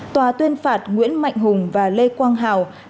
tòa tuyên phạt nguyễn mạnh hùng và lê quang hào